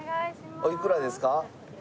おいくらですか？